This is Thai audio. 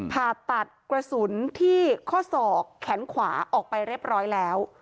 ผ่าตัดกระสุนที่ข้อศอกแขนขวาออกไปเรียบร้อยแล้ว